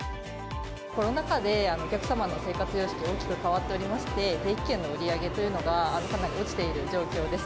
コロナ禍でお客様の生活様式が大きく変わっておりまして、定期券の売り上げというのがかなり落ちている状況です。